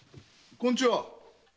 こんちは。